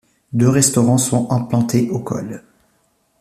Deux restaurants sont implantés au col.